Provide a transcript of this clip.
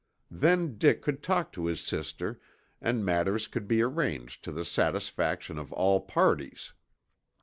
Then Dick could talk to his sister and matters could be arranged to the satisfaction of all parties.